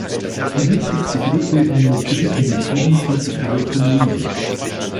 Die wichtigste Gruppe in natürlichen Lipiden sind die Carotinoide.